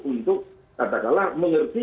untuk katakanlah mengerti